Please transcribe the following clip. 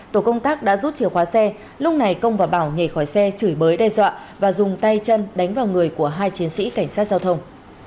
tổ công tác đã rút chìa khóa xe lúc này công và bảo nhảy khỏi xe chửi bới đe dọa và dùng tay chân đánh vào người của hai chiến sĩ cảnh sát giao thông